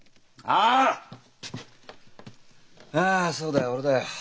あそうだよ俺だよ。